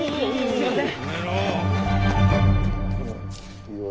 すみません！